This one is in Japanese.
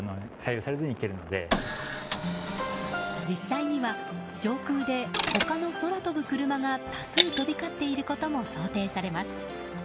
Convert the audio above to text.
実際には上空で他の空飛ぶクルマが多数飛び交っていることも想定されます。